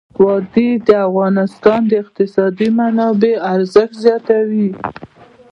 وادي د افغانستان د اقتصادي منابعو ارزښت زیاتوي.